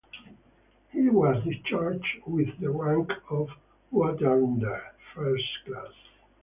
He was discharged with the rank of watertender first class.